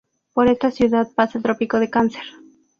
Por esta ciudad pasa el trópico de Cáncer.